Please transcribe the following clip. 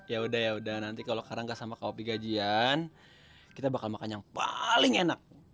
ya udah ya udah nanti kalo ga sama kaopi gajian kita bakal makan yang paling enak